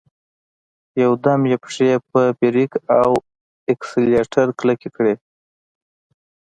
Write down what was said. يودم يې پښې په بريک او اکسلېټر کلکې کړې.